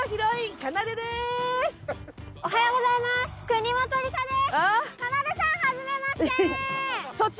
かなでさん初めまして！